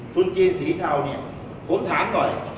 ทุนเมริกาสีถาวน์ผมถามหน่อย